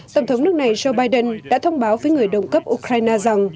tổng thống nước này joe biden đã thông báo với người đồng cấp ukraine rằng